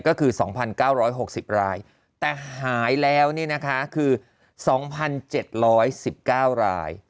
ก็คือ๒๙๖๐รายแต่หายแล้วคือ๒๗๑๙ราย